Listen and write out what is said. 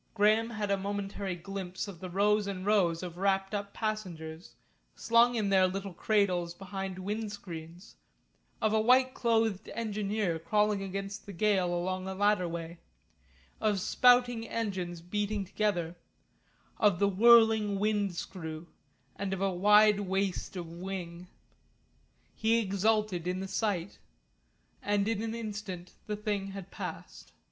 Graham had a momentary glimpse of the rows and rows of wrapped up passengers, slung in their little cradles behind wind screens, of a white clothed engineer crawling against the gale along a ladder way, of spouting engines beating together, of the whirling wind screw, and of a wide waste of wing. He exulted in the sight. And in an instant the thing had passed.